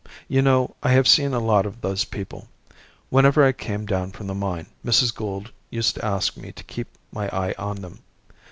You know, I have seen a lot of those people. Whenever I came down from the mine Mrs. Gould used to ask me to keep my eye on them.